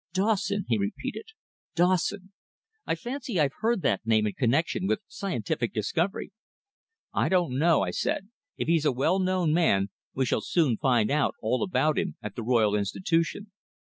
"Dawson?" he repeated, "Dawson? I fancy I've heard that name in connexion with scientific discovery." "I don't know," I said. "If he's a well known man we shall soon find out all about him at the Royal Institution."